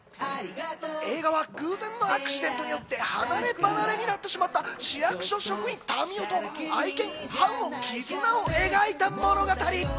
映画は偶然のアクシデントによって離れ離れになってしまった市役所職員・民夫と、愛犬・ハウのきずなを描いた物語。